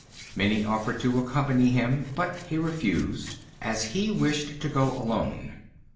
Many offered to accompany him, but he refused, as he wished to go alone.